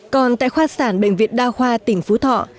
còn tại khoa sản bệnh viện đa khoa tỉnh phú thọ